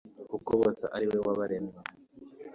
kuko bose ari we wabaremye